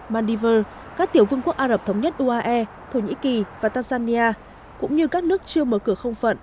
maldives các tiểu vương quốc ả rập thống nhất uae thổ nhĩ kỳ và tanzania cũng như các nước chưa mở cửa không phận